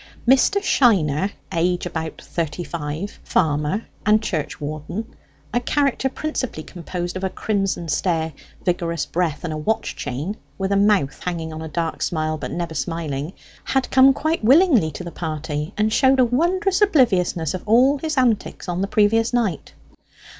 Mr. Shiner, age about thirty five, farmer and church warden, a character principally composed of a crimson stare, vigorous breath, and a watch chain, with a mouth hanging on a dark smile but never smiling, had come quite willingly to the party, and showed a wondrous obliviousness of all his antics on the previous night.